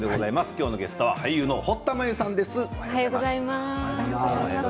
今日のゲストは俳優の堀田真由さんです。